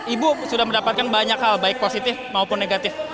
ibu sudah mendapatkan banyak hal baik positif maupun negatif